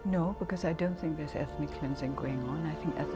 tidak karena saya tidak yakin bahwa ada penyembuhan etnis yang berlaku